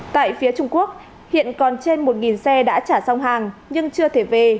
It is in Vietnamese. tại phía trung quốc hiện còn trên một xe đã trả xong hàng nhưng chưa thể về